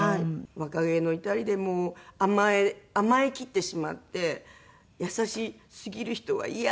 若気の至りでもう甘えきってしまって優しすぎる人は嫌！